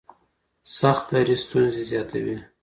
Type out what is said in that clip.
سخت دریځ ستونزې زیاتوي.